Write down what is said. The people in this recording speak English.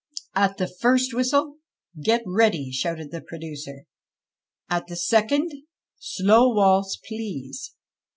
" At the first whistle, get ready," shouted the producer, " at the second, slow waltz, please."